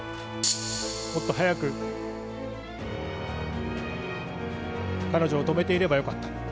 もっと早く、彼女を止めていればよかった。